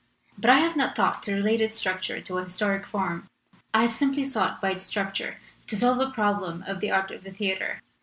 But I have not thought to relate its structure to a historic form; I have simply sought by its struc ture to solve a problem of the art of the theater.